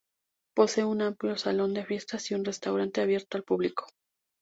Posee un amplio salón de fiestas y un restaurante abierto al público.